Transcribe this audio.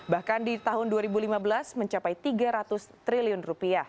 bahkan di tahun dua ribu lima belas mencapai rp tiga ratus triliun